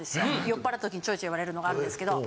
酔っぱらった時にちょいちょい言われるのがあるんですけど。